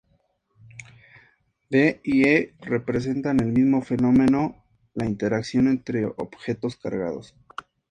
D y E representan el mismo fenómeno, la interacción entre objetos cargados.